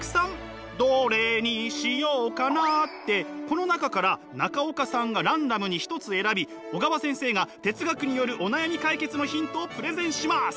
この中から中岡さんがランダムに一つ選び小川先生が哲学によるお悩み解決のヒントをプレゼンします。